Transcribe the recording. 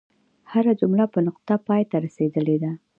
هره جمله په نقطه پای ته رسیدلې ده.